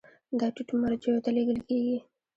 دا ټیټو مرجعو ته لیږل کیږي.